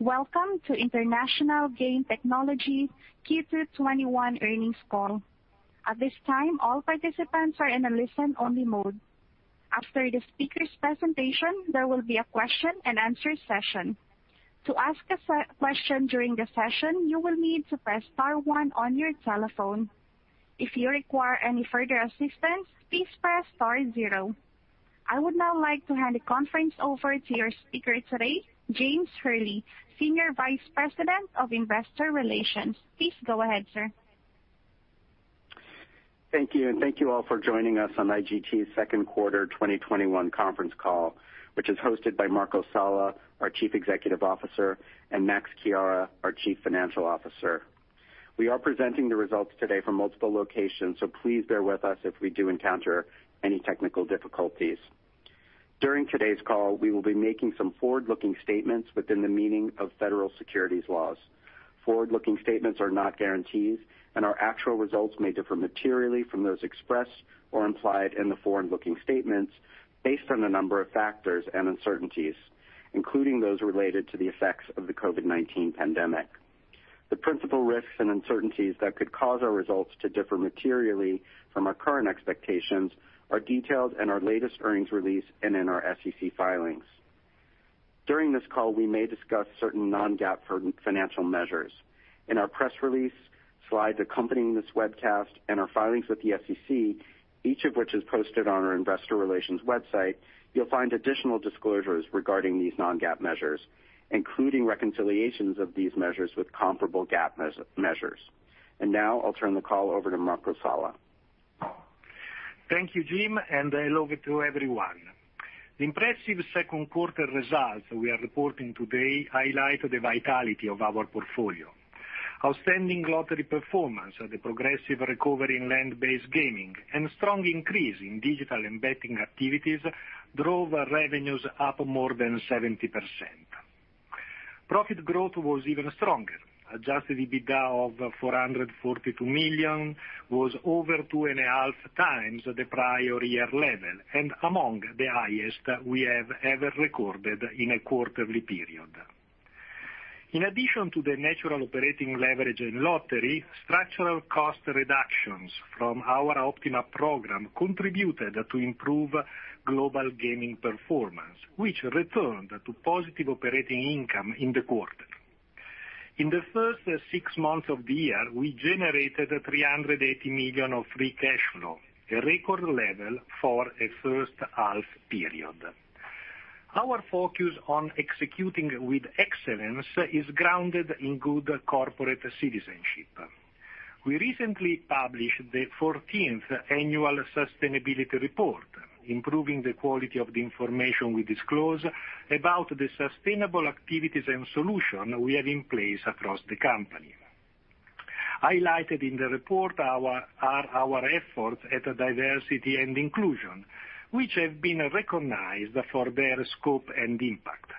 Welcome to International Game Technology Q2 2021 earnings call. At this time, all participants are listen only mode. After the speaker’s presentation, there will be a question and answer session. To ask us a question during the session, you will need to press star one on your telephone. If you require any further assistance, please press star zero. Please note this conference is being recorded. I would now like to hand the conference over to your speaker today, James Hurley, Senior Vice President of Investor Relations. Please go ahead, sir. Thank you, and thank you all for joining us on IGT's second quarter 2021 conference call, which is hosted by Marco Sala, our Chief Executive Officer, and Massimiliano Chiara, our Chief Financial Officer. We are presenting the results today from multiple locations, so please bear with us if we do encounter any technical difficulties. During today's call, we will be making some forward-looking statements within the meaning of Federal Securities Laws. Forward-looking statements are not guarantees, and our actual results may differ materially from those expressed or implied in the forward-looking statements, based on a number of factors and uncertainties, including those related to the effects of the COVID-19 pandemic. The principal risks and uncertainties that could cause our results to differ materially from our current expectations are detailed in our latest earnings release and in our SEC filings. During this call, we may discuss certain non-GAAP financial measures. In our press release, slides accompanying this webcast, and our filings with the SEC, each of which is posted on our investor relations website, you'll find additional disclosures regarding these non-GAAP measures, including reconciliations of these measures with comparable GAAP measures. Now I'll turn the call over to Marco Sala. Thank you, James, and hello to everyone. The impressive second quarter results we are reporting today highlight the vitality of our portfolio. Outstanding lottery performance and the progressive recovery in land-based gaming, and strong increase in digital and betting activities drove revenues up more than 70%. Profit growth was even stronger. Adjusted EBITDA of 442 million was over 2.5x the prior year level, and among the highest we have ever recorded in a quarterly period. In addition to the natural operating leverage in lottery, structural cost reductions from our OPtiMa program contributed to improve global gaming performance, which returned to positive operating income in the quarter. In the first six months of the year, we generated 380 million of free cash flow, a record level for a first-half period. Our focus on executing with excellence is grounded in good corporate citizenship. We recently published the 14th annual sustainability report, improving the quality of the information we disclose about the sustainable activities and solution we have in place across the company. Highlighted in the report are our efforts at diversity and inclusion, which have been recognized for their scope and impact.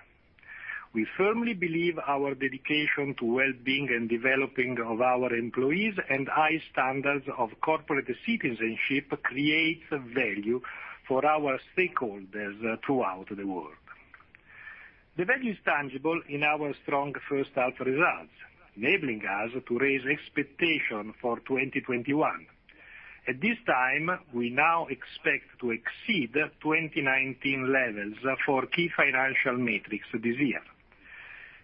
We firmly believe our dedication to well-being and developing of our employees and high standards of corporate citizenship creates value for our stakeholders throughout the world. The value is tangible in our strong first-half results, enabling us to raise expectation for 2021. At this time, we now expect to exceed 2019 levels for key financial metrics this year.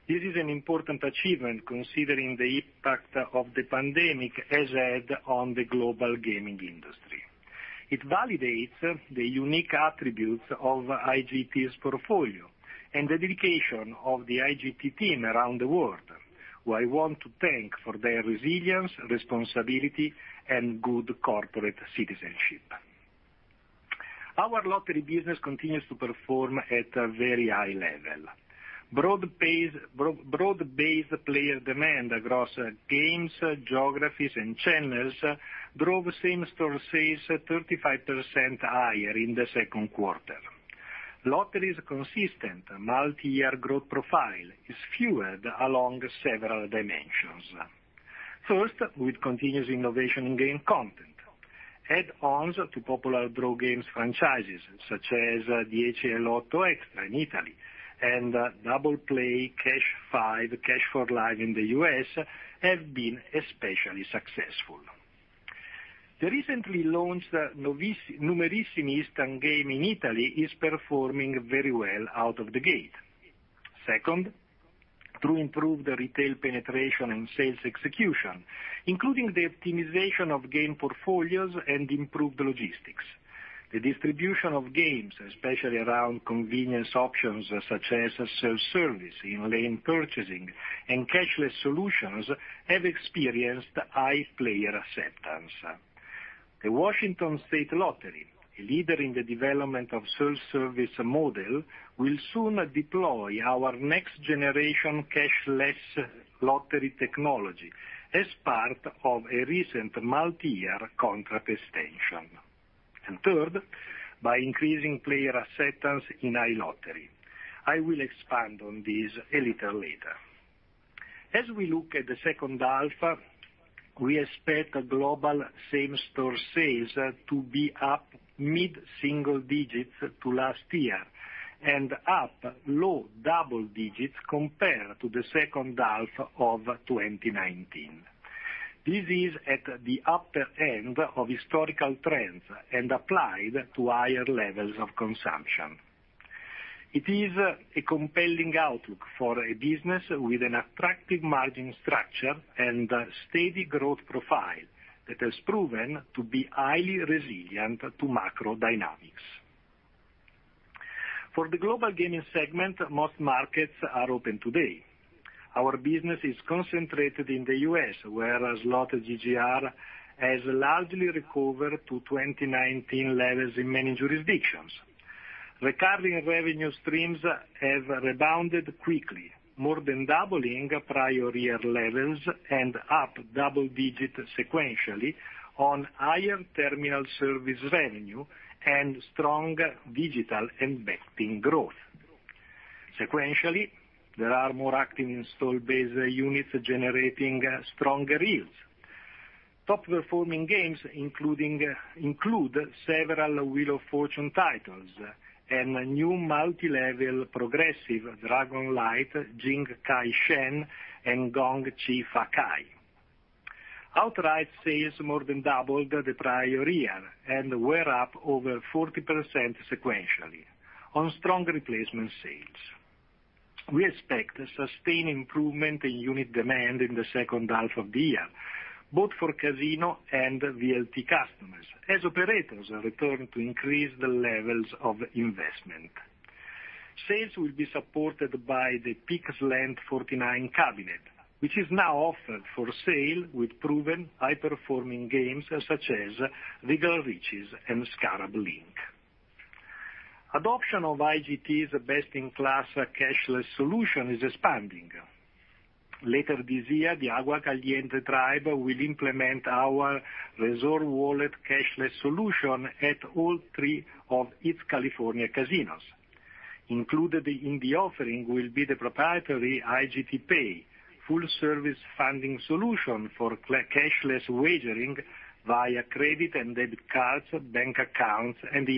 This is an important achievement considering the impact of the pandemic has had on the global gaming industry. It validates the unique attributes of IGT's portfolio and the dedication of the IGT team around the world, who I want to thank for their resilience, responsibility, and good corporate citizenship. Our lottery business continues to perform at a very high level. Broad-based player demand across games, geographies, and channels drove same-store sales 35% higher in the second quarter. Lottery's consistent multi-year growth profile is fueled along several dimensions. First, with continuous innovation in game content, add-ons to popular draw games franchises such as the 10eLotto Extra in Italy, and Double Play, Cash 5, Cash4Life in the U.S. have been especially successful. The recently launched Numerissimi game in Italy is performing very well out of the gate. Second, to improve the retail penetration and sales execution, including the optimization of game portfolios and improved logistics. The distribution of games, especially around convenience options such as self-service in lane purchasing and cashless solutions, have experienced high player acceptance. The Washington's Lottery, a leader in the development of self-service model, will soon deploy our next generation cashless lottery technology as part of a recent multi-year contract extension. Third, by increasing player acceptance in iLottery. I will expand on this a little later. As we look at the second half, we expect global same-store sales to be up mid-single digits to last year, and up low double digits compared to the second half of 2019. This is at the upper end of historical trends and applied to higher levels of consumption. It is a compelling outlook for a business with an attractive margin structure and a steady growth profile that has proven to be highly resilient to macro dynamics. For the global gaming segment, most markets are open today. Our business is concentrated in the U.S., where slot GGR has largely recovered to 2019 levels in many jurisdictions. Recovering revenue streams have rebounded quickly, more than doubling prior year levels and up double digits sequentially on higher terminal service revenue and strong digital and betting growth. Sequentially, there are more active installed base units generating stronger yields. Top-performing games include several Wheel of Fortune titles and a new multi-level progressive Dragon Lights, Ying Cai Shen, and Gong Xi Fa Cai. Outright sales more than doubled the prior year and were up over 40% sequentially on strong replacement sales. We expect a sustained improvement in unit demand in the second half of the year, both for casino and VLT customers, as operators are returning to increase the levels of investment. Sales will be supported by the PeakSlant49 cabinet, which is now offered for sale with proven high-performing games such as Regal Riches and Scarab Link. Adoption of IGT's best-in-class cashless solution is expanding. Later this year, the Agua Caliente tribe will implement our Resort Wallet cashless solution at all three of its California casinos. Included in the offering will be the proprietary IGTPay, full-service funding solution for cashless wagering via credit and debit cards, bank accounts, and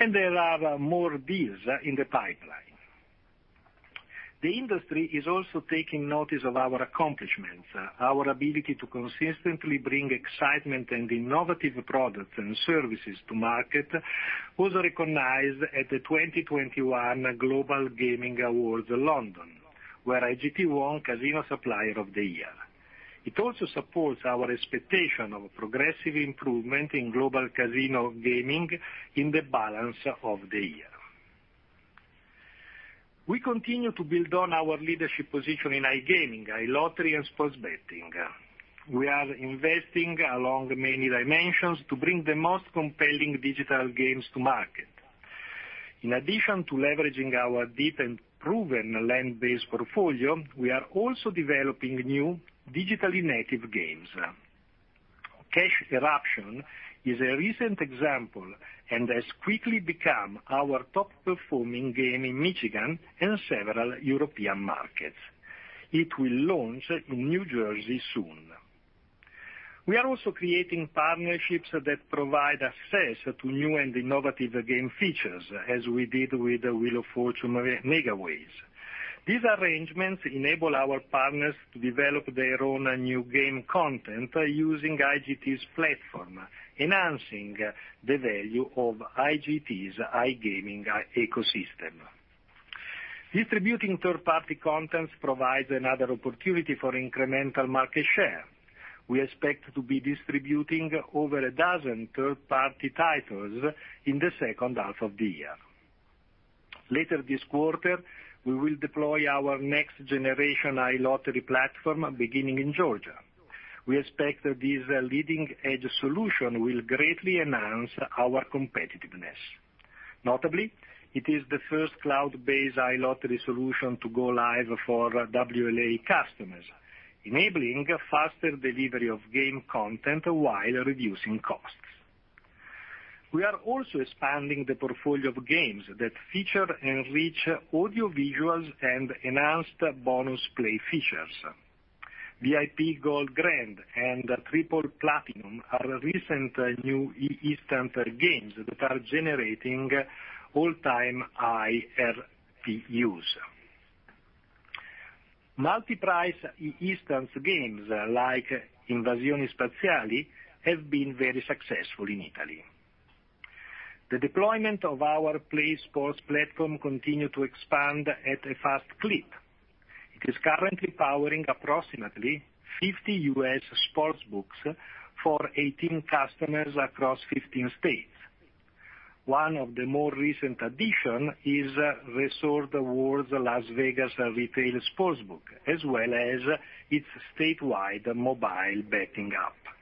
e-wallets. There are more deals in the pipeline. The industry is also taking notice of our accomplishments. Our ability to consistently bring excitement and innovative products and services to market was recognized at the 2021 Global Gaming Awards London, where IGT won Casino Supplier of the Year. It also supports our expectation of progressive improvement in global casino gaming in the balance of the year. We continue to build on our leadership position in iGaming, iLottery, and sports betting. We are investing along many dimensions to bring the most compelling digital games to market. In addition to leveraging our deep and proven land-based portfolio, we are also developing new digitally native games. Cash Eruption is a recent example and has quickly become our top-performing game in Michigan and several European markets. It will launch in New Jersey soon. We are also creating partnerships that provide access to new and innovative game features as we did with the Wheel of Fortune Megaways. These arrangements enable our partners to develop their own new game content using IGT's platform, enhancing the value of IGT's iGaming ecosystem. Distributing third-party content provides another opportunity for incremental market share. We expect to be distributing over a dozen third-party titles in the second half of the year. Later this quarter, we will deploy our next-generation iLottery platform, beginning in Georgia. We expect that this leading-edge solution will greatly enhance our competitiveness. Notably, it is the first cloud-based iLottery solution to go live for WLA customers, enabling faster delivery of game content while reducing costs. We are also expanding the portfolio of games that feature rich audiovisuals and enhanced bonus play features. VIP Gold Grand and Triple Platinum are recent new instant games that are generating all-time high RPUs. Multi-price instant games like Invasori Spaziali have been very successful in Italy. The deployment of our PlaySports platform continue to expand at a fast clip. It is currently powering approximately 50 U.S. sportsbooks for 18 customers across 15 states. One of the more recent addition is Resorts World Las Vegas retail sportsbook, as well as its statewide mobile betting app.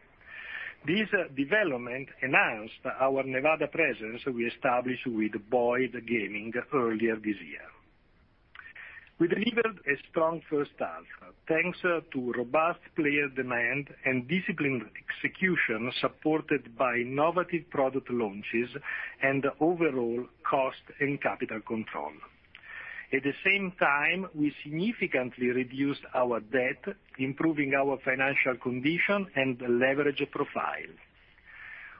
This development enhanced our Nevada presence we established with Boyd Gaming earlier this year. We delivered a strong first half, thanks to robust player demand and disciplined execution, supported by innovative product launches and overall cost and capital control. At the same time, we significantly reduced our debt, improving our financial condition and leverage profile.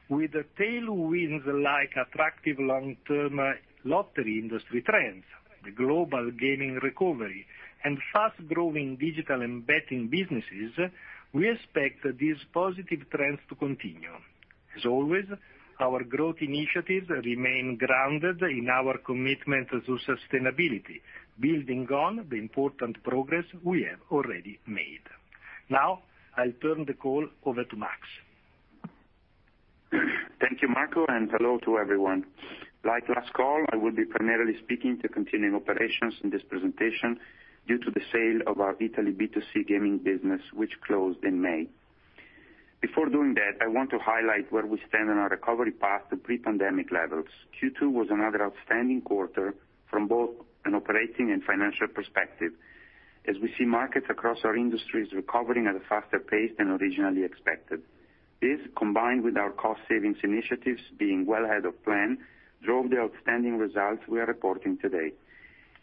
With the tailwinds like attractive long-term lottery industry trends, the global gaming recovery, and fast-growing digital and betting businesses, we expect these positive trends to continue. As always, our growth initiatives remain grounded in our commitment to sustainability, building on the important progress we have already made. Now, I'll turn the call over to Massimiliano. Thank you, Marco, and hello to everyone. Like last call, I will be primarily speaking to continuing operations in this presentation due to the sale of our Italy B2C gaming business, which closed in May. Before doing that, I want to highlight where we stand on our recovery path to pre-pandemic levels. Q2 was another outstanding quarter from both an operating and financial perspective, as we see markets across our industries recovering at a faster pace than originally expected. This, combined with our cost savings initiatives being well ahead of plan, drove the outstanding results we are reporting today.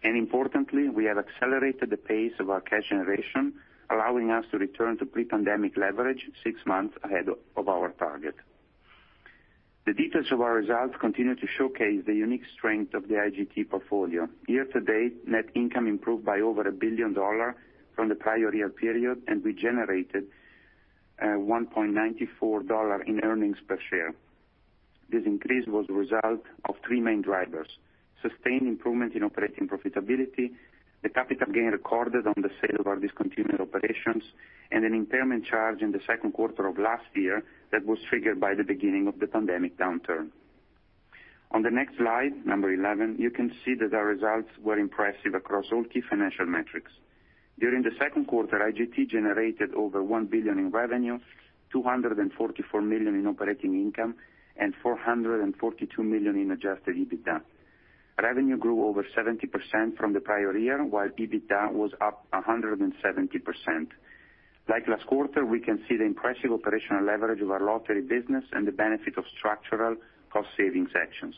Importantly, we have accelerated the pace of our cash generation, allowing us to return to pre-pandemic leverage six months ahead of our target. The details of our results continue to showcase the unique strength of the IGT portfolio. Year-to-date, net income improved by over $1 billion from the prior year period, and we generated $1.94 in earnings per share. This increase was the result of three main drivers: sustained improvement in operating profitability, the capital gain recorded on the sale of our discontinued operations, and an impairment charge in the second quarter of last year that was triggered by the beginning of the pandemic downturn. On the next slide, number 11, you can see that our results were impressive across all key financial metrics. During the second quarter, IGT generated over $1 billion in revenue, $244 million in operating income, and $442 million in adjusted EBITDA. Revenue grew over 70% from the prior year, while EBITDA was up 170%. Like last quarter, we can see the impressive operational leverage of our lottery business and the benefit of structural cost-savings actions.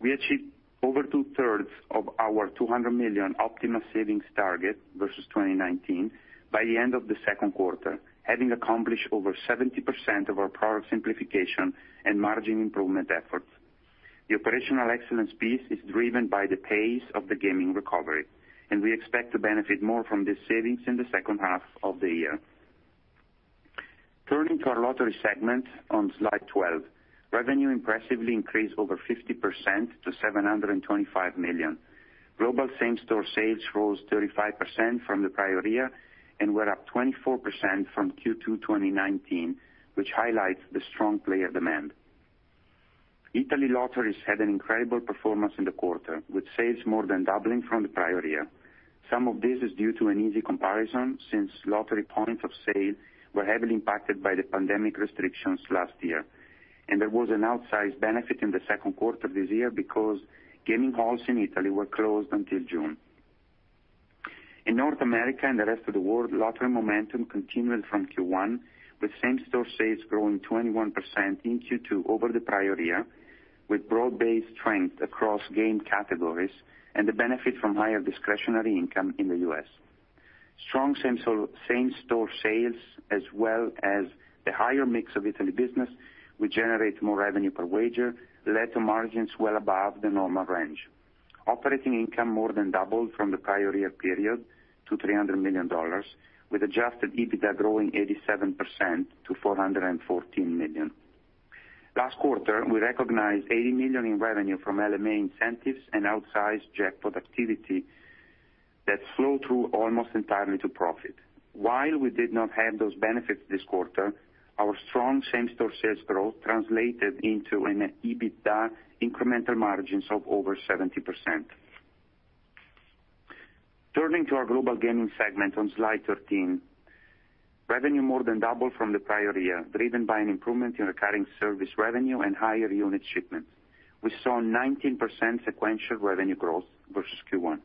We achieved over 2/3 of our 200 million OPtiMa savings target versus 2019 by the end of the second quarter, having accomplished over 70% of our product simplification and margin improvement efforts. The operational excellence piece is driven by the pace of the gaming recovery, and we expect to benefit more from these savings in the second half of the year. Turning to our lottery segment on slide 12. Revenue impressively increased over 50% to 725 million. Global same-store sales rose 35% from the prior year and were up 24% from Q2 2019, which highlights the strong player demand. Italy Lotteries had an incredible performance in the quarter, with sales more than doubling from the prior year. Some of this is due to an easy comparison since lottery points of sale were heavily impacted by the pandemic restrictions last year, and there was an outsized benefit in the second quarter this year because gaming halls in Italy were closed until June. In North America and the rest of the world, lottery momentum continued from Q1, with same-store sales growing 21% in Q2 over the prior year, with broad-based strength across game categories and the benefit from higher discretionary income in the U.S. Strong same-store sales, as well as the higher mix of Italy business, which generates more revenue per wager, led to margins well above the normal range. Operating income more than doubled from the prior year period to EUR 300 million, with adjusted EBITDA growing 87% to 414 million. Last quarter, we recognized 80 million in revenue from LMA incentives and outsized jackpot activity that flow through almost entirely to profit. While we did not have those benefits this quarter, our strong same-store sales growth translated into an EBITDA incremental margins of over 70%. Turning to our global gaming segment on slide 13. Revenue more than doubled from the prior year, driven by an improvement in recurring service revenue and higher unit shipments. We saw 19% sequential revenue growth versus Q1.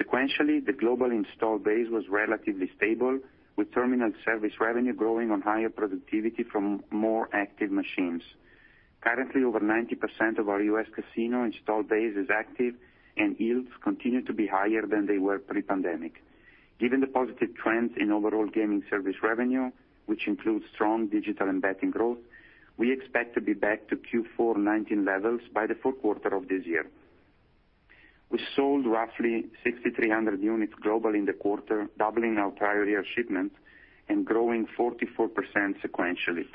Sequentially, the global install base was relatively stable, with terminal service revenue growing on higher productivity from more active machines. Currently, over 90% of our U.S. casino installed base is active, and yields continue to be higher than they were pre-pandemic. Given the positive trends in overall gaming service revenue, which includes strong digital and betting growth, we expect to be back to Q4 2019 levels by the fourth quarter of this year. We sold roughly 6,300 units globally in the quarter, doubling our prior year shipments and growing 44% sequentially.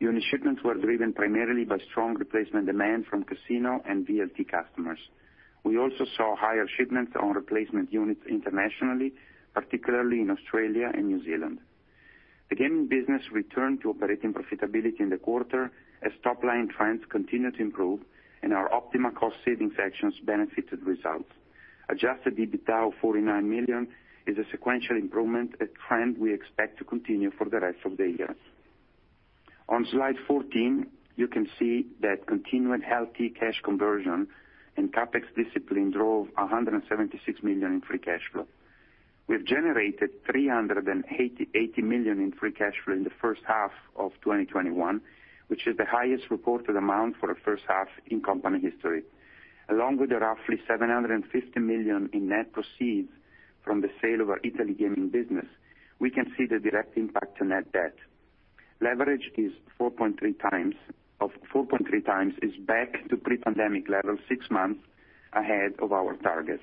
Unit shipments were driven primarily by strong replacement demand from casino and VLT customers. We also saw higher shipments on replacement units internationally, particularly in Australia and New Zealand. The gaming business returned to operating profitability in the quarter as top-line trends continued to improve, and our OPtiMa cost savings actions benefited results. Adjusted EBITDA of 49 million is a sequential improvement, a trend we expect to continue for the rest of the year. On slide 14, you can see that continuing healthy cash conversion and CapEx discipline drove 176 million in free cash flow. We've generated 380 million in free cash flow in the first half of 2021, which is the highest reported amount for a first half in company history. Along with the roughly 750 million in net proceeds from the sale of our Italy gaming business, we can see the direct impact on net debt. Leverage of 4.3x is back to pre-pandemic levels, six months ahead of our target.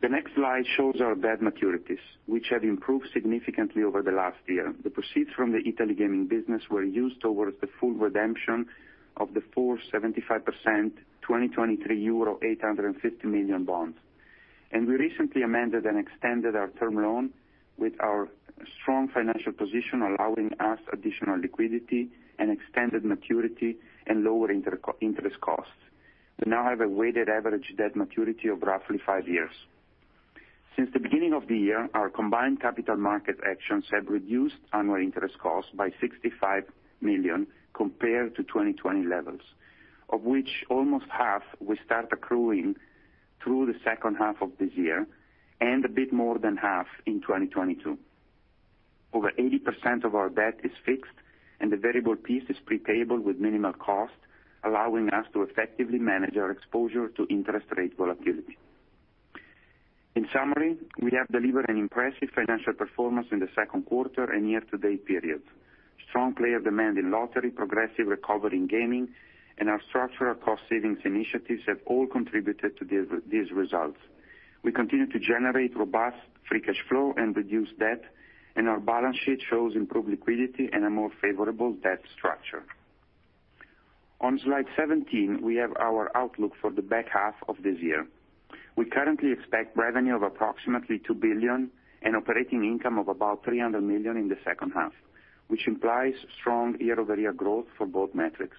The next slide shows our debt maturities, which have improved significantly over the last year. The proceeds from the Italy gaming business were used towards the full redemption of the 4.75% 2023 850 million bonds. We recently amended and extended our term loan with our strong financial position, allowing us additional liquidity and extended maturity and lower interest costs. We now have a weighted average debt maturity of roughly five years. Since the beginning of the year, our combined capital market actions have reduced annual interest costs by 65 million compared to 2020 levels, of which almost half will start accruing through the second half of this year, and a bit more than half in 2022. Over 80% of our debt is fixed, and the variable piece is pre-payable with minimal cost, allowing us to effectively manage our exposure to interest rate volatility. In summary, we have delivered an impressive financial performance in the second quarter and year-to-date period. Strong player demand in lottery, progressive recovery in gaming, and our structural cost savings initiatives have all contributed to these results. We continue to generate robust free cash flow and reduce debt, and our balance sheet shows improved liquidity and a more favorable debt structure. On slide 17, we have our outlook for the back half of this year. We currently expect revenue of approximately 2 billion and operating income of about 300 million in the second half, which implies strong year-over-year growth for both metrics.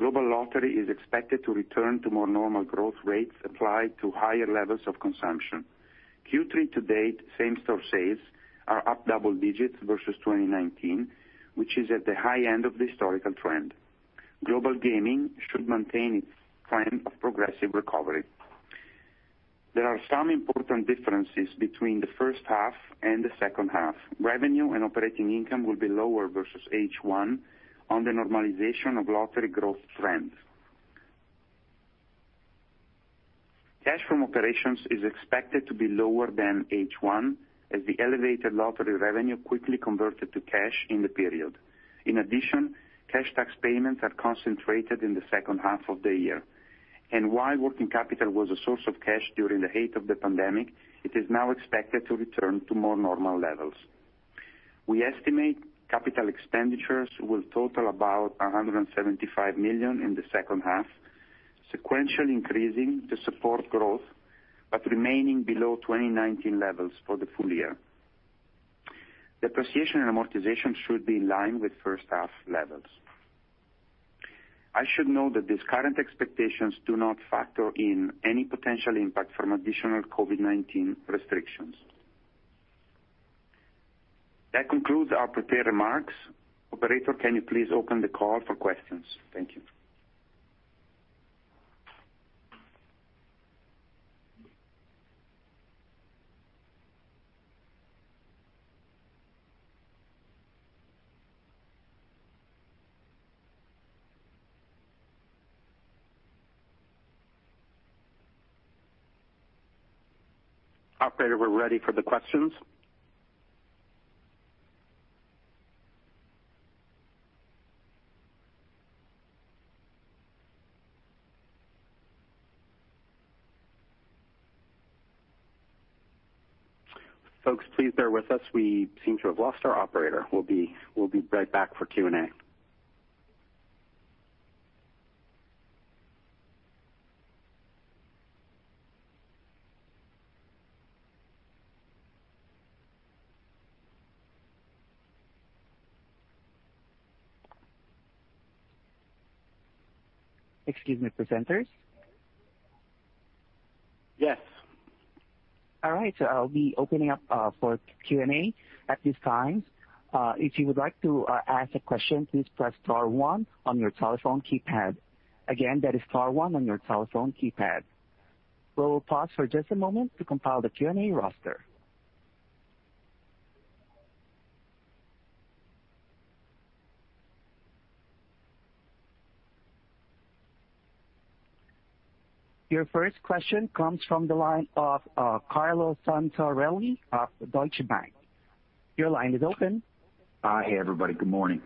Global lottery is expected to return to more normal growth rates applied to higher levels of consumption. Q3 to date, same-store sales are up double-digits versus 2019, which is at the high end of the historical trend. Global gaming should maintain its trend of progressive recovery. There are some important differences between the first half and the second half. Revenue and operating income will be lower versus H1 on the normalization of lottery growth trends. Cash from operations is expected to be lower than H1 as the elevated lottery revenue quickly converted to cash in the period. In addition, cash tax payments are concentrated in the second half of the year. While working capital was a source of cash during the height of the pandemic, it is now expected to return to more normal levels. We estimate capital expenditures will total about 175 million in the second half, sequentially increasing to support growth, but remaining below 2019 levels for the full year. Depreciation and amortization should be in line with first half levels. I should note that these current expectations do not factor in any potential impact from additional COVID-19 restrictions. That concludes our prepared remarks. Operator, can you please open the call for questions? Thank you. Operator, we're ready for the questions. Folks, please bear with us. We seem to have lost our operator. We'll be right back for Q&A. Excuse me, presenters. Yes. All right, I'll be opening up for Q&A at this time. If you would like to ask a question, please press star one on your telephone keypad. Again, that is star one on your telephone keypad. We will pause for just a moment to compile the Q&A roster. Your first question comes from the line of Carlo Santarelli of Deutsche Bank. Your line is open. Hi, everybody. Good morning.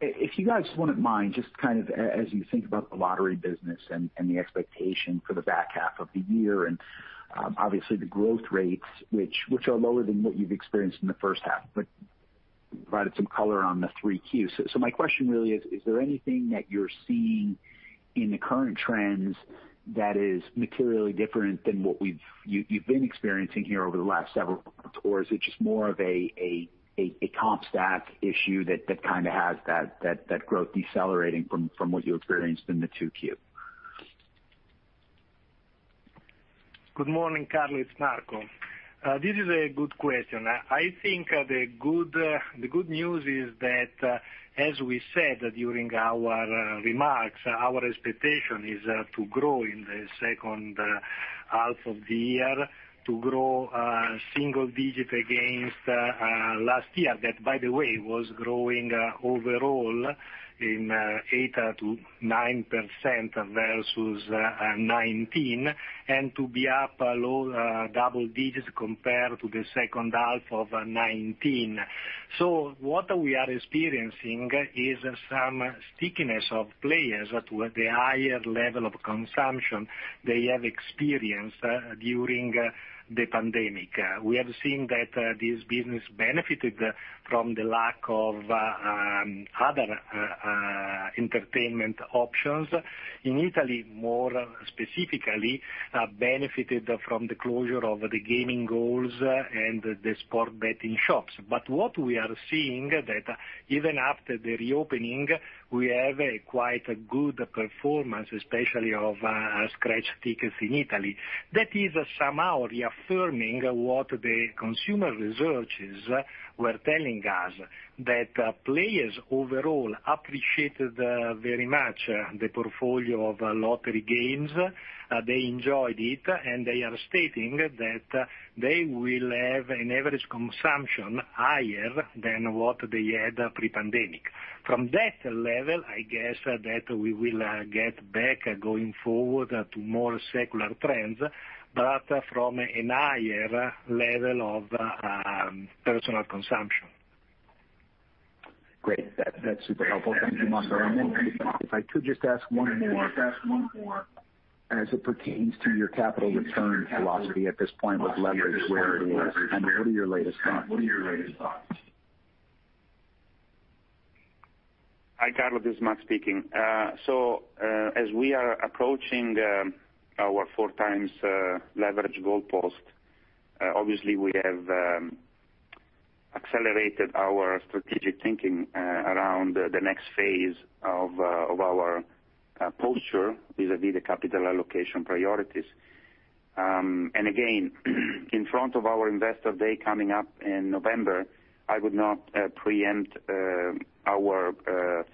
If you guys wouldn't mind, just as you think about the lottery business and the expectation for the back half of the year, and obviously the growth rates, which are lower than what you've experienced in the first half, but you provided some color on the 3Qs. My question really is there anything that you're seeing in the current trends that is materially different than what you've been experiencing here over the last several quarters? Is it just more of a comp stack issue that has that growth decelerating from what you experienced in the 2Q? Good morning, Carlo. It's Marco. This is a good question. I think the good news is that, as we said during our remarks, our expectation is to grow in the second half of the year, to grow single-digit against last year. Overall in 8%-9% versus 2019, and to be up low double-digits compared to the second half of 2019. What we are experiencing is some stickiness of players to the higher level of consumption they have experienced during the pandemic. We have seen that this business benefited from the lack of other entertainment options. In Italy, more specifically, benefited from the closure of the gaming halls and the sports betting shops. What we are seeing, that even after the reopening, we have a quite good performance, especially of scratch tickets in Italy. That is somehow reaffirming what the consumer researchers were telling us, that players overall appreciated very much the portfolio of lottery games. They enjoyed it, and they are stating that they will have an average consumption higher than what they had pre-pandemic. From that level, I guess that we will get back going forward to more secular trends, but from a higher level of personal consumption. Great. That's super helpful. Thank you, Marco. If I could just ask one more as it pertains to your capital return philosophy at this point with leverage where it is, and what are your latest thoughts? Hi, Carlo Santarelli. This is Massimiliano Chiara speaking. As we are approaching our 4x leverage goalpost, obviously we have accelerated our strategic thinking around the next phase of our posture vis-a-vis the capital allocation priorities. Again, in front of our Investor Day coming up in November, I would not preempt our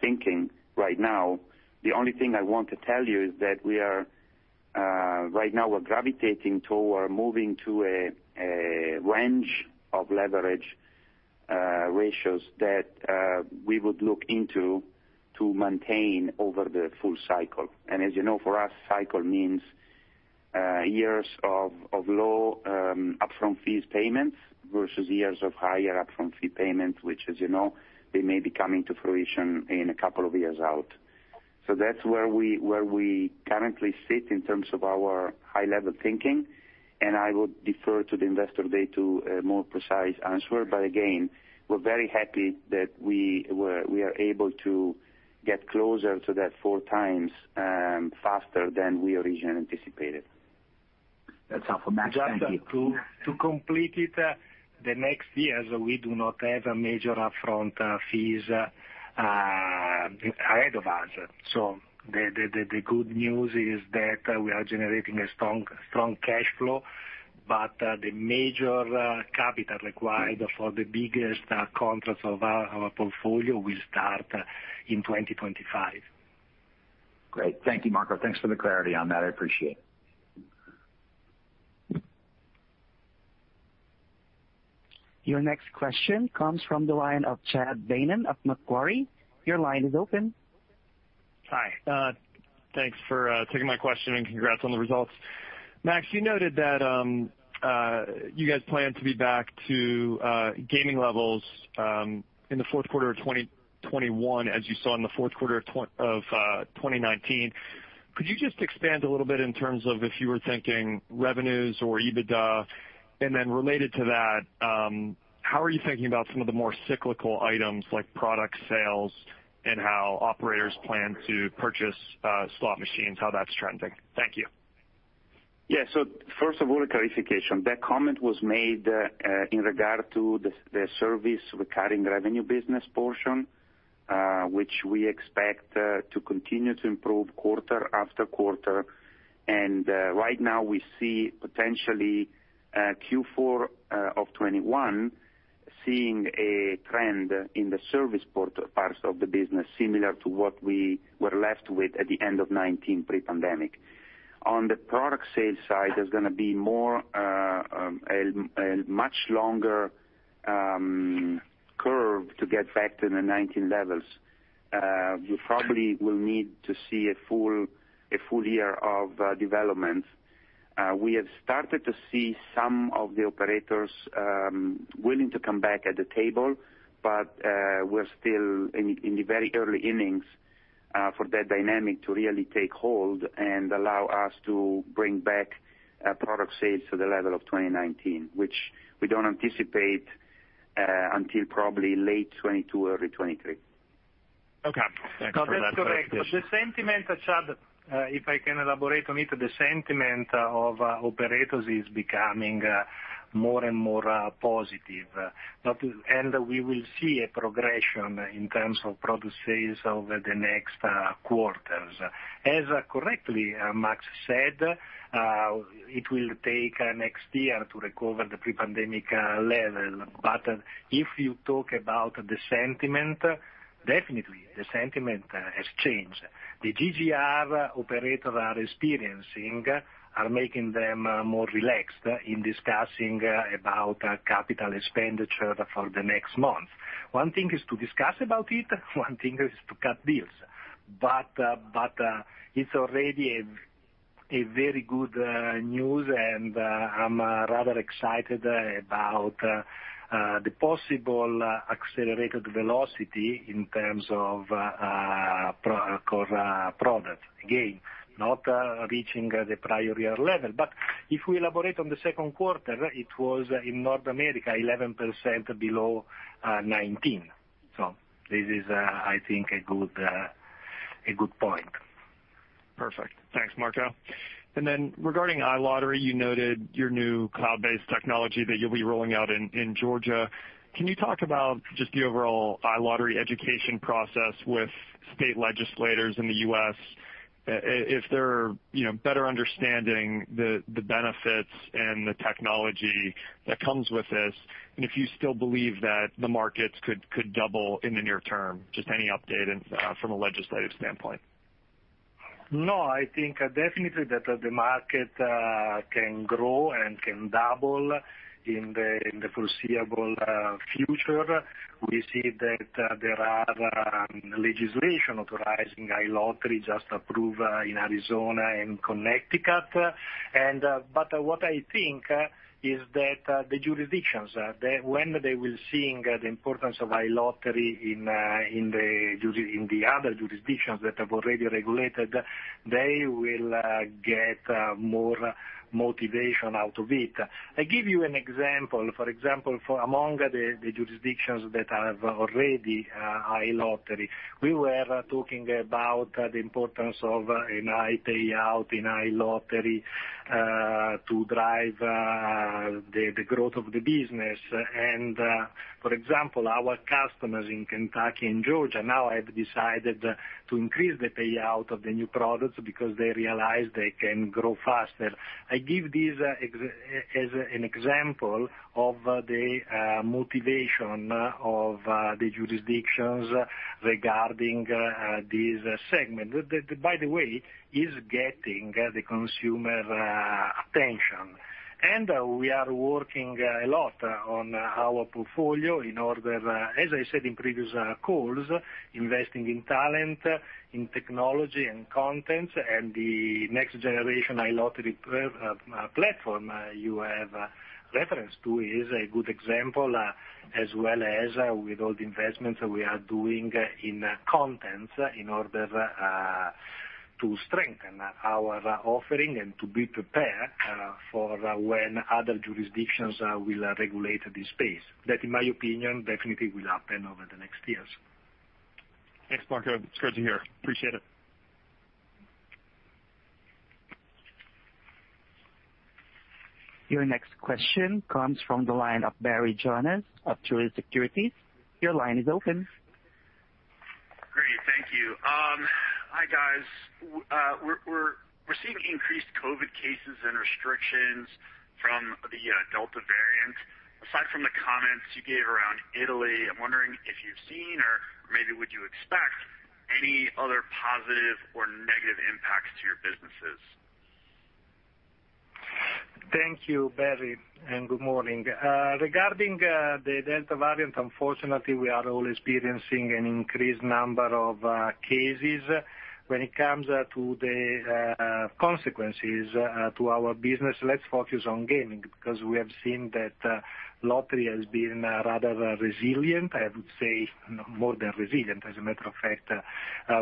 thinking right now. The only thing I want to tell you is that right now we're gravitating toward moving to a range of leverage ratios that we would look into to maintain over the full cycle. As you know, for us, cycle means years of low upfront fees payments versus years of higher upfront fee payment, which, as you know, they may be coming to fruition in a couple of years out. That's where we currently sit in terms of our high-level thinking, and I would defer to the Investor Day to a more precise answer. Again, we're very happy that we are able to get closer to that four times faster than we originally anticipated. That's helpful, Massimiliano. Thank you. Just to complete it, the next years, we do not have major upfront fees ahead of us. The good news is that we are generating a strong cash flow, but the major capital required for the biggest contracts of our portfolio will start in 2025. Great. Thank you, Marco. Thanks for the clarity on that. I appreciate it. Your next question comes from the line of Chad Beynon of Macquarie. Your line is open. Hi. Thanks for taking my question, and congrats on the results. Massimiliano, you noted that you guys plan to be back to gaming levels in the fourth quarter of 2021, as you saw in the fourth quarter of 2019. Could you just expand a little bit in terms of if you were thinking revenues or EBITDA? Related to that, how are you thinking about some of the more cyclical items like product sales and how operators plan to purchase slot machines, how that's trending? Thank you. Yeah. First of all, a clarification. That comment was made in regard to the service recurring revenue business portion, which we expect to continue to improve quarter after quarter. Right now we see potentially Q4 of 2021 seeing a trend in the service parts of the business similar to what we were left with at the end of 2019, pre-pandemic. On the product sales side, there's going to be a much longer curve to get back to the 2019 levels. You probably will need to see a full year of development. We have started to see some of the operators willing to come back at the table, but we're still in the very early innings for that dynamic to really take hold and allow us to bring back product sales to the level of 2019, which we don't anticipate until probably late 2022, early 2023. Okay. Thanks for that clarification. That's correct. The sentiment, Chad, if I can elaborate on it, the sentiment of operators is becoming more and more positive. We will see a progression in terms of product sales over the next quarters. As correctly Massimiliano said, it will take next year to recover the pre-pandemic level. If you talk about the sentiment, definitely the sentiment has changed. The GGR operator are experiencing are making them more relaxed in discussing about capital expenditure for the next month. One thing is to discuss about it, one thing is to cut deals. It's already a very good news and I'm rather excited about the possible accelerated velocity in terms of product. Again, not reaching the prior year level. If we elaborate on the second quarter, it was in North America, 11% below 2019. This is, I think a good point. Perfect. Thanks, Marco. Regarding iLottery, you noted your new cloud-based technology that you'll be rolling out in Georgia. Can you talk about just the overall iLottery education process with state legislators in the U.S., if they're better understanding the benefits and the technology that comes with this, and if you still believe that the markets could double in the near term, just any update from a legislative standpoint? No, I think definitely that the market can grow and can double in the foreseeable future. We see that there are legislation authorizing iLottery just approved in Arizona and Connecticut. What I think is that the jurisdictions, when they will see the importance of iLottery in the other jurisdictions that have already regulated, they will get more motivation out of it. I give you an example. For example, for among the jurisdictions that have already iLottery, we were talking about the importance of a high payout in iLottery, to drive the growth of the business. For example, our customers in Kentucky and Georgia now have decided to increase the payout of the new products because they realize they can grow faster. I give this as an example of the motivation of the jurisdictions regarding this segment. By the way, it is getting the consumer attention. We are working a lot on our portfolio in order, as I said in previous calls, investing in talent, in technology and content. The next generation iLottery platform you have reference to is a good example, as well as with all the investments we are doing in content in order to strengthen our offering and to be prepared for when other jurisdictions will regulate this space. That, in my opinion, definitely will happen over the next years. Thanks, Marco. It's good to hear. Appreciate it. Your next question comes from the line of Barry Jonas of Truist Securities. Your line is open. Great. Thank you. Hi, guys. We're seeing increased COVID cases and restrictions from the Delta variant. Aside from the comments you gave around Italy, I'm wondering if you've seen or maybe would you expect any other positive or negative impacts to your businesses? Thank you, Barry. Good morning. Regarding the Delta variant, unfortunately, we are all experiencing an increased number of cases. When it comes to the consequences to our business, let's focus on gaming, because we have seen that lottery has been rather resilient. I would say more than resilient, as a matter of fact.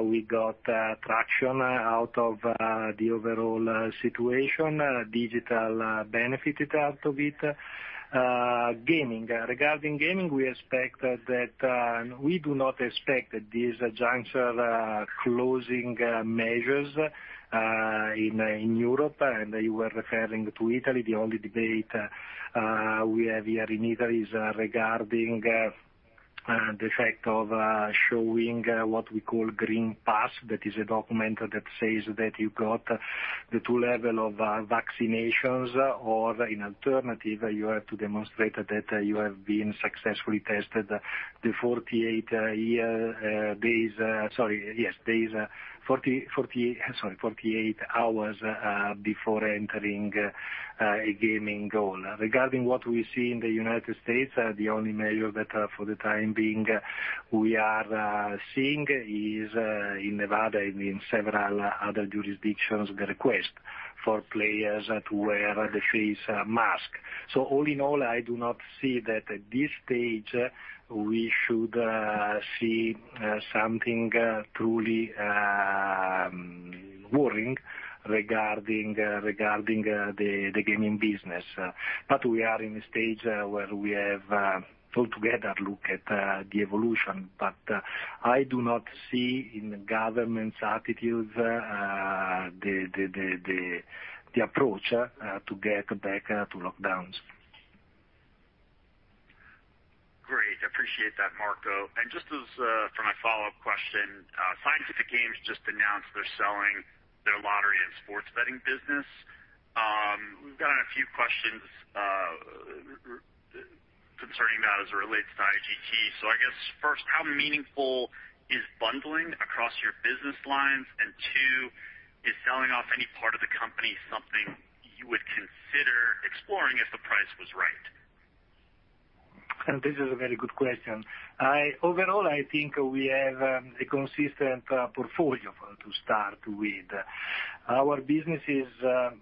We got traction out of the overall situation. Digital benefited out of it. Gaming. Regarding gaming, we do not expect these juncture closing measures in Europe, and you were referring to Italy. The only debate we have here in Italy is regarding the fact of showing what we call Green Pass. That is a document that says that you got the two level of vaccinations, or in alternative, you have to demonstrate that you have been successfully tested the 48 hours before entering a gaming hall. Regarding what we see in the United States, the only measure that for the time being we are seeing is in Nevada and in several other jurisdictions, the request for players to wear the face mask. All in all, I do not see that at this stage we should see something truly worrying regarding the gaming business. We are in a stage where we have altogether looked at the evolution, but I do not see in government's attitude, the approach to get back to lockdowns. Great. Appreciate that, Marco. Just as for my follow-up question, Scientific Games just announced they're selling their lottery and sports betting business. We've gotten a few questions concerning that as it relates to IGT. I guess first, how meaningful is bundling across your business lines? And two, is selling off any part of the company something you would consider exploring if the price was right? This is a very good question. Overall, I think we have a consistent portfolio to start with. Our businesses are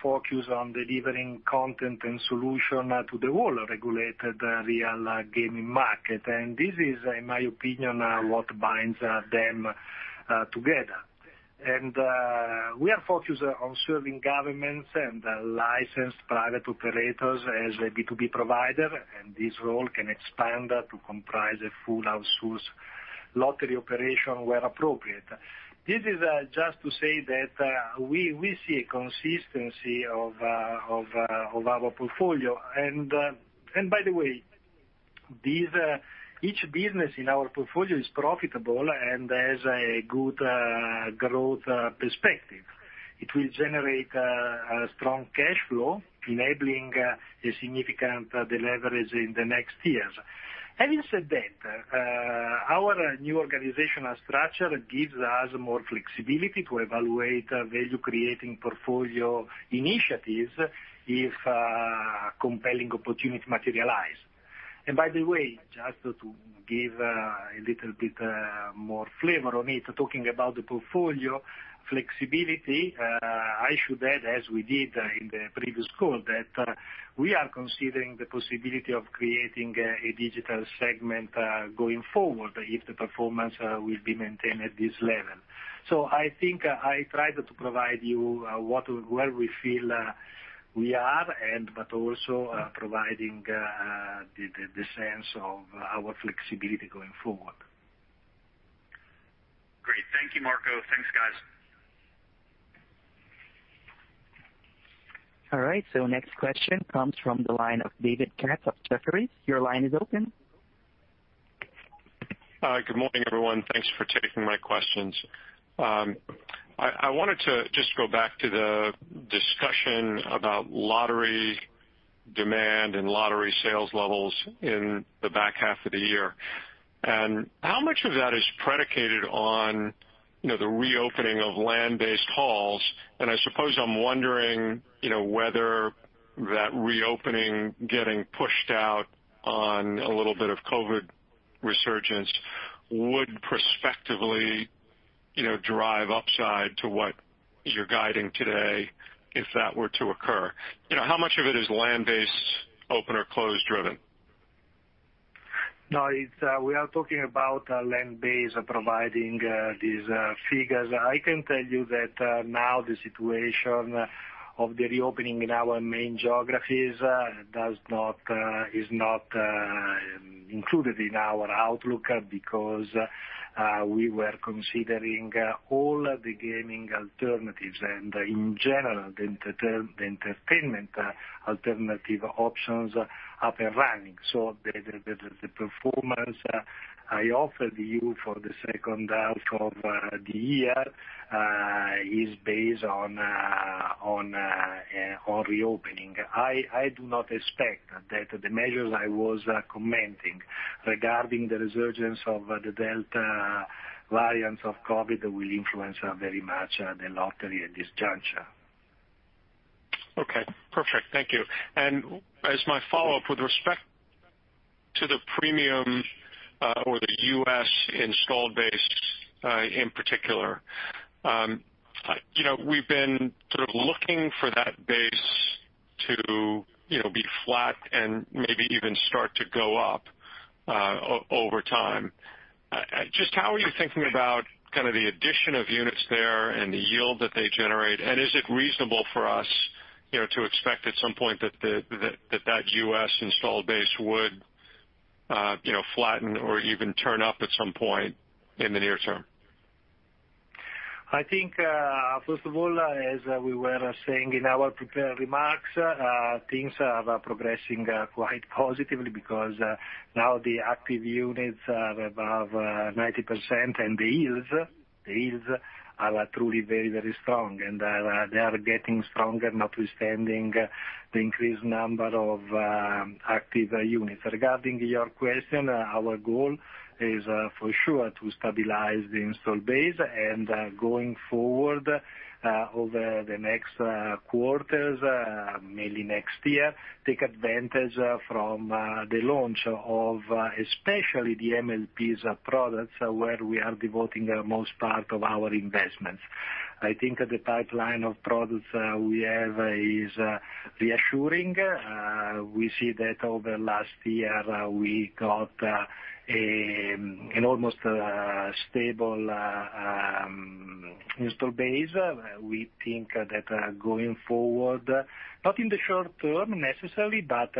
focused on delivering content and solution to the whole regulated real gaming market. This is, in my opinion, what binds them together. We are focused on serving governments and licensed private operators as a B2B provider, and this role can expand to comprise a full outsource lottery operation where appropriate. This is just to say that we see a consistency of our portfolio. By the way, each business in our portfolio is profitable and has a good growth perspective. It will generate a strong cash flow, enabling a significant de-leverage in the next years. Having said that, our new organizational structure gives us more flexibility to evaluate value-creating portfolio initiatives if compelling opportunities materialize. By the way, just to give a little bit more flavor on it, talking about the portfolio flexibility, I should add, as we did in the previous call, that we are considering the possibility of creating a digital segment going forward, if the performance will be maintained at this level. I think I tried to provide you where we feel we are, but also providing the sense of our flexibility going forward. Great. Thank you, Marco. Thanks, guys. All right, next question comes from the line of David Katz of Jefferies. Your line is open. Good morning, everyone. Thanks for taking my questions. I wanted to just go back to the discussion about lottery demand and lottery sales levels in the back half of the year. How much of that is predicated on the reopening of land-based halls? I suppose I'm wondering whether that reopening getting pushed out on a little bit of COVID-19 resurgence would prospectively drive upside to what you're guiding today if that were to occur. How much of it is land-based, open or close driven? We are talking about land-based providing these figures. I can tell you that now the situation of the reopening in our main geographies is not included in our outlook because we were considering all the gaming alternatives and in general, the entertainment alternative options up and running. The performance I offered you for the second half of the year is based on reopening. I do not expect that the measures I was commenting regarding the resurgence of the Delta variant of COVID will influence very much the lottery at this juncture. Okay, perfect. Thank you. As my follow-up, with respect to the premium or the U.S. installed base, in particular. We've been sort of looking for that base to be flat and maybe even start to go up over time. Just how are you thinking about kind of the addition of units there and the yield that they generate? Is it reasonable for us to expect at some point that that U.S. installed base would flatten or even turn up at some point in the near term? I think, first of all, as we were saying in our prepared remarks, things are progressing quite positively because now the active units are above 90% and the yields are truly very, very strong, and they are getting stronger notwithstanding the increased number of active units. Regarding your question, our goal is for sure to stabilize the installed base and going forward over the next quarters, mainly next year, take advantage from the launch of especially the MLP products where we are devoting the most part of our investments. I think that the pipeline of products we have is reassuring. We see that over last year, we got an almost stable install base. We think that going forward, not in the short term necessarily, but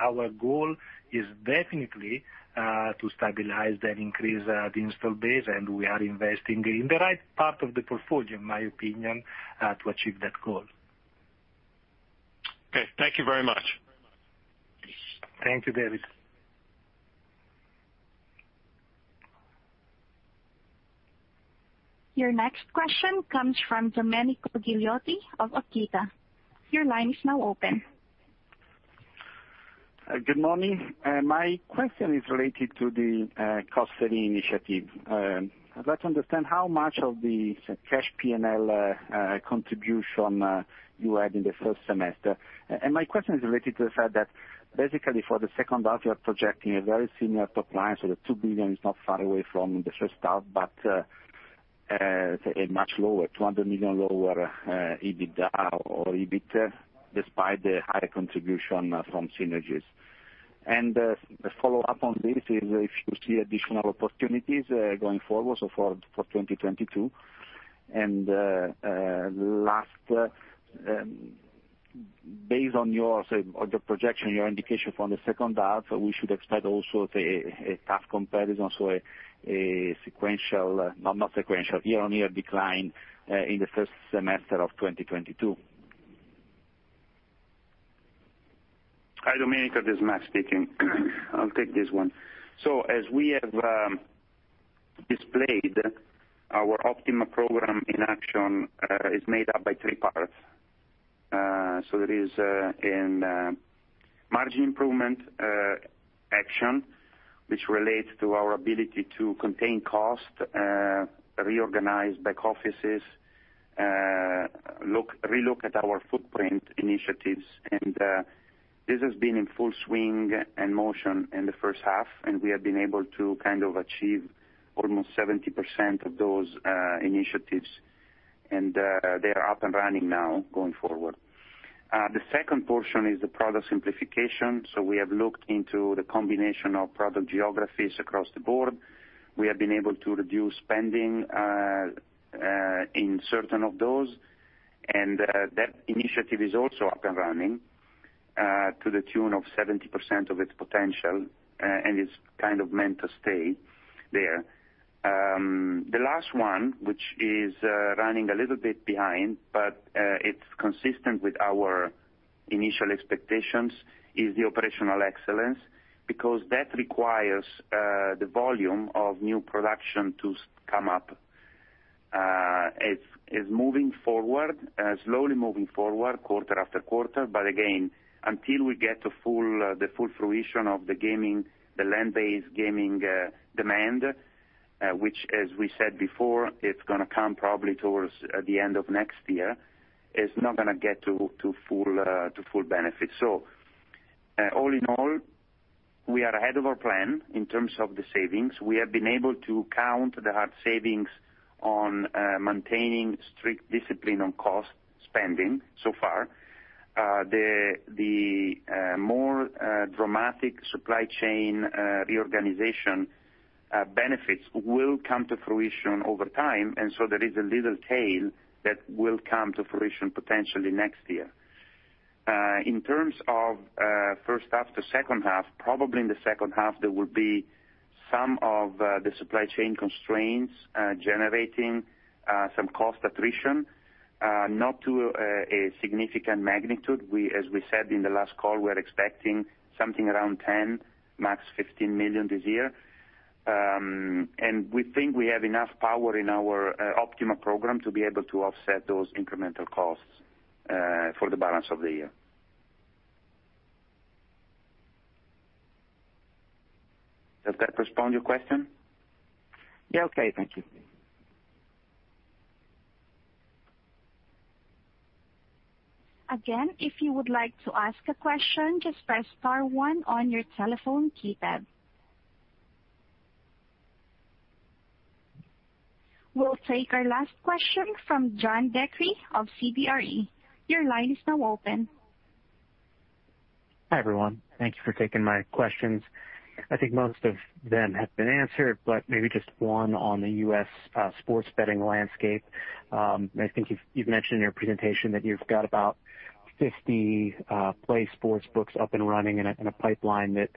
our goal is definitely to stabilize that increase the install base, and we are investing in the right part of the portfolio, in my opinion, to achieve that goal. Okay. Thank you very much. Thank you, David. Your next question comes from Domenico Ghilotti of Equita. Your line is now open. Good morning. My question is related to the cost-saving initiative. I'd like to understand how much of the cash P&L contribution you had in the first semester. My question is related to the fact that basically for the second half, you are projecting a very similar top line. The 2 billion is not far away from the first half, but a much lower, 200 million lower EBITDA or EBIT, despite the higher contribution from synergies. The follow-up on this is if you see additional opportunities going forward, for 2022. Last, based on your projection, your indication from the second half, we should expect also, say, a tough comparison, so a Not sequential, year-on-year decline in the first semester of 2022. Hi, Domenico, this is Massimiliano speaking. I'll take this one. As we have displayed, our OPtiMa program in action is made up by three parts. There is a margin improvement action, which relates to our ability to contain cost, reorganize back offices, relook at our footprint initiatives. This has been in full swing and motion in the first half, and we have been able to kind of achieve almost 70% of those initiatives, and they are up and running now going forward. The second portion is the product simplification. We have looked into the combination of product geographies across the board. We have been able to reduce spending in certain of those, and that initiative is also up and running to the tune of 70% of its potential, and it's kind of meant to stay there. The last one, which is running a little bit behind, but it's consistent with our initial expectations, is the operational excellence, because that requires the volume of new production to come up. It's moving forward, slowly moving forward quarter after quarter, but again, until we get the full fruition of the land-based gaming demand, which, as we said before, it's going to come probably towards the end of next year, it's not going to get to full benefit. All in all, we are ahead of our plan in terms of the savings. We have been able to count the hard savings on maintaining strict discipline on cost spending so far. The more dramatic supply chain reorganization benefits will come to fruition over time, and so there is a little tail that will come to fruition potentially next year. In terms of first half to second half, probably in the second half, there will be some of the supply chain constraints generating some cost attrition. Not to a significant magnitude. As we said in the last call, we are expecting something around 10 million, max 15 million this year. We think we have enough power in our OPtiMa program to be able to offset those incremental costs for the balance of the year. Does that respond to your question? Yeah, okay. Thank you. Again, if you would like to ask a question, just press star one on your telephone keypad. We'll take our last question from John DeCree of CBRE. Your line is now open. Hi, everyone. Thank you for taking my questions. I think most of them have been answered. Maybe just one on the U.S. sports betting landscape. I think you've mentioned in your presentation that you've got about 50 PlaySports books up and running and a pipeline that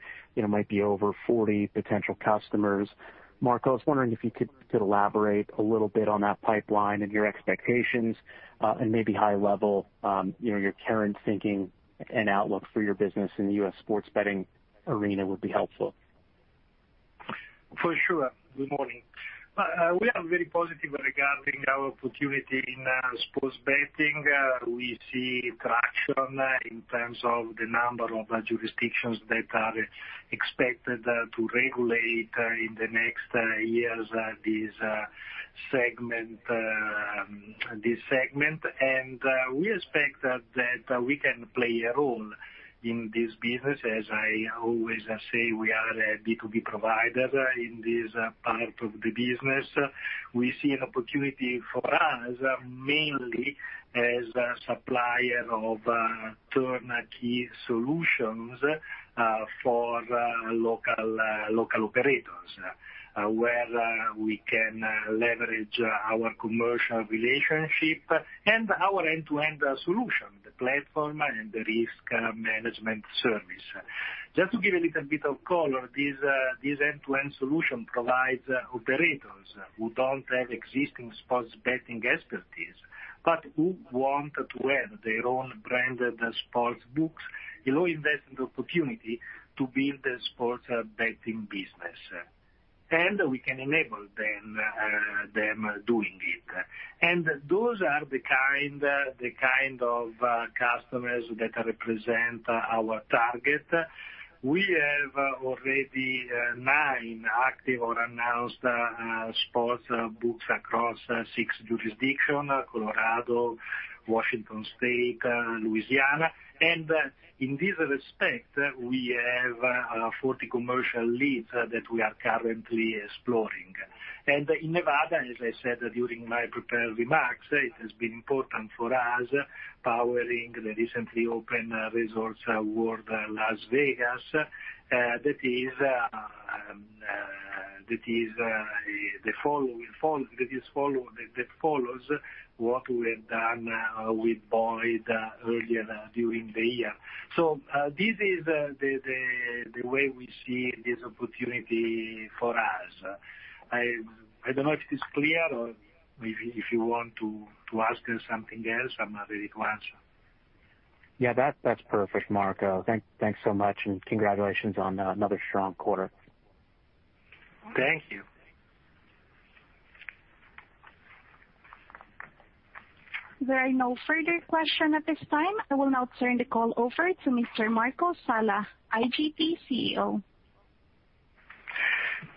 might be over 40 potential customers. Marco, I was wondering if you could elaborate a little bit on that pipeline and your expectations, and maybe high level, your current thinking and outlook for your business in the U.S. sports betting arena would be helpful. For sure. Good morning. We are very positive regarding our opportunity in sports betting. We see traction in terms of the number of jurisdictions that are expected to regulate in the next years this segment. We expect that we can play a role in this business. As I always say, we are a B2B provider in this part of the business. We see an opportunity for us mainly as a supplier of turnkey solutions for local operators, where we can leverage our commercial relationship and our end-to-end solution, the platform, and the risk management service. Just to give a little bit of color, this end-to-end solution provides operators who don't have existing sports betting expertise, but who want to have their own branded sports books, a low investment opportunity to be in the sports betting business. We can enable them doing it. Those are the kind of customers that represent our target. We have already nine active or announced sportsbooks across six jurisdictions, Colorado, Washington State, Louisiana. In this respect, we have 40 commercial leads that we are currently exploring. In Nevada, as I said during my prepared remarks, it has been important for us powering the recently opened Resorts World Las Vegas. That follows what we have done with Boyd Gaming earlier during the year. This is the way we see this opportunity for us. I don't know if it is clear or if you want to ask something else, I'm ready to answer. Yeah, that's perfect, Marco. Thanks so much, congratulations on another strong quarter. Thank you. There are no further questions at this time. I will now turn the call over to Mr. Marco Sala, IGT CEO.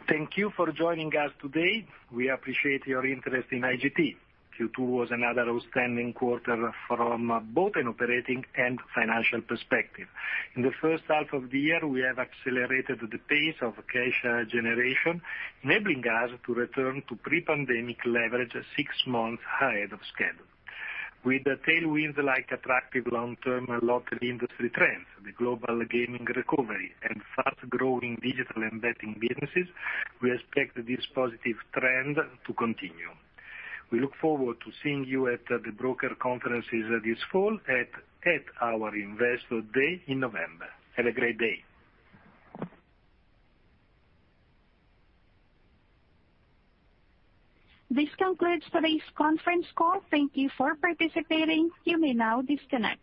Thank you for joining us today. We appreciate your interest in IGT. Q2 was another outstanding quarter from both an operating and financial perspective. In the first half of the year, we have accelerated the pace of cash generation, enabling us to return to pre-pandemic leverage six months ahead of schedule. With the tailwinds like attractive long-term lottery industry trends, the global gaming recovery, and fast-growing digital and betting businesses, we expect this positive trend to continue. We look forward to seeing you at the broker conferences this fall at our Investor Day in November. Have a great day. This concludes today's conference call. Thank you for participating. You may now disconnect.